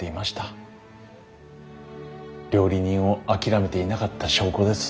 料理人を諦めていなかった証拠です。